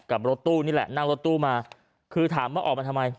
รถตู้นี่แหละนั่งรถตู้มาคือถามว่าออกมาทำไม